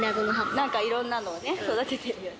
なんかいろんなのを育ててるよね。